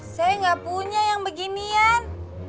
saya nggak punya yang beginian